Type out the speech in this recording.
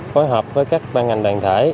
phối hợp với các ban ngành đàn thải